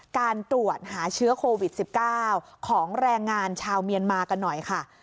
การตรวจหาเชื้อโควิด๑๙ของแรงงานชาวเมียนมากันหน่อยค่ะ